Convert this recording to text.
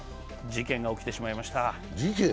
事件が起きてしまいました。